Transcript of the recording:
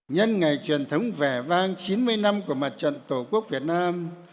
nhân ngày truyền thống vẻ vang chín mươi năm của mặt trận tổ quốc việt nam